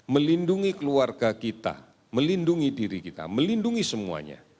melindungi keluarga kita melindungi diri kita melindungi semuanya